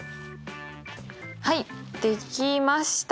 はいできました。